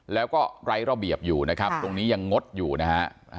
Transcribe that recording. แล้วก็ไร้ระเบียบอยู่นะครับตรงนี้ยังงดอยู่นะฮะ